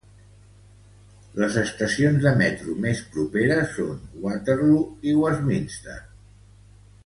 Les estacions de metro més properes són Waterloo i Westminster.